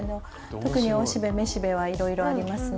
特に雄しべ雌しべはいろいろありますね。